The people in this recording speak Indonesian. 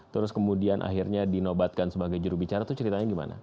terus kemudian akhirnya dinobatkan sebagai jurubicara itu ceritanya gimana